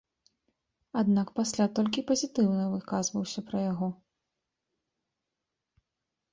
Аднак пасля толькі пазітыўна выказваўся пра яго.